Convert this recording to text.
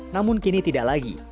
namun kini tidak lagi